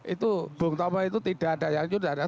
itu bung tomo itu tidak ada yang menyuruh